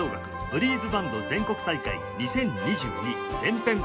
ブリーズバンド全国大会２０２２前編」